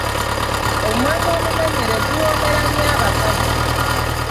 Omwenge omumenyere guwoomera nnyo abakazi.